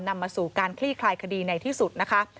นำมาสู่การคลี่คลายคดีในที่สุดนะคะ